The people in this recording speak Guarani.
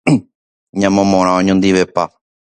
Ñamomorã oñondivepa.